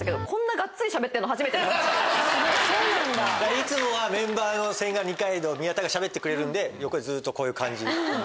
いつもはメンバーの千賀二階堂宮田がしゃべってくれるんで横でずっとこういう感じ。